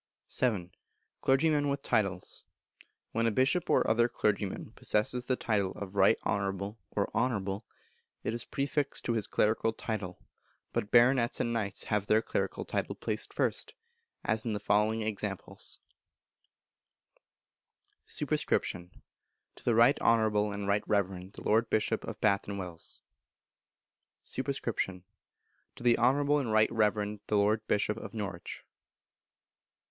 vii. Clergymen with Titles. When a Bishop or other Clergyman possesses the title of Right Honourable or Honourable, it is prefixed to his Clerical title, but Baronets and Knights have their clerical title placed first, as in the following examples: Sup. To the Right Honourable and Right Reverend the Lord Bishop of Bath and Wells. Sup. To the Honourable and Right Reverend the Lord Bishop of Norwich.